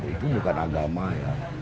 itu bukan agama ya